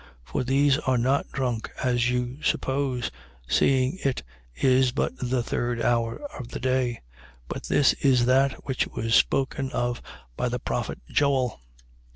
2:15. For these are not drunk, as you suppose, seeing it is but the third hour of the day: 2:16. But this is that which was spoken of by the prophet Joel: 2:17.